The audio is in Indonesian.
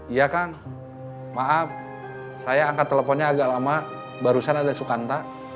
iya kang maaf saya angkat teleponnya agak lama barusan ada sukanta